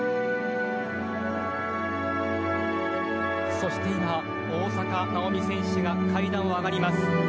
そして今、大坂なおみ選手が階段を上がります。